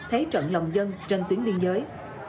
thấy trận lòng dân trên tuyến biên giới